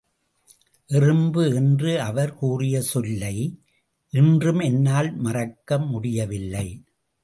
எறும்பு என்று அவர் கூறிய சொல்லை இன்றும் என்னால் மறக்க முடியவில்லை.